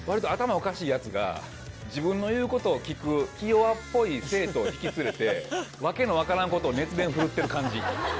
おかしいやつが、自分の言うことを聞く、気弱っぽい生徒を引き連れて、訳の分からんことを熱弁振るってる感じ。